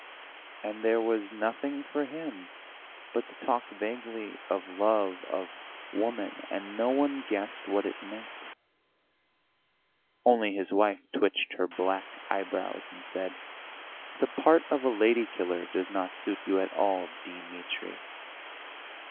And there was nothing for him but to talk vaguely of love, of woman, and no one guessed what it meant; only his wife twitched her black eyebrows, and said: "The part of a lady killer does not suit you at all, Dimitri."